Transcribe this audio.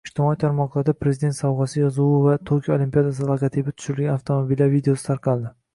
Ijtimoiy tarmoqlarda “Prezident sovg‘asi” yozuvi va Tokio Olimpiadasi logotipi tushirilgan avtomobillar videosi tarqaldi